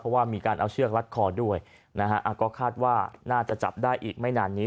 เพราะว่ามีการเอาเชือกรัดคอด้วยนะฮะก็คาดว่าน่าจะจับได้อีกไม่นานนี้